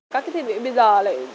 các thiết bị bây giờ lại